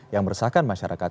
yang meresahkan masyarakat